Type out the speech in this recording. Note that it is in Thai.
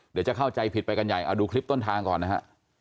เดี๋ยวจะเข้าใจผิดไปกันใหญ่เอาดูคลิปต้นทางก่อนนะฮะ